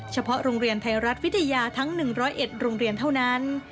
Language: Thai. เฉพาะโรงเรียนไทยรัฐวิทยาทั้ง๑๐๑โรงเรียนเท่านั้น